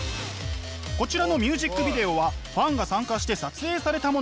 こちらのミュージックビデオはファンが参加して撮影されたもの。